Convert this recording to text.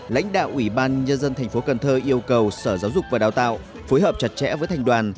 lãnh đạo ủy ban nhân dân thành phố cần thơ yêu cầu sở giáo dục và đào tạo phối hợp chặt chẽ với thành đoàn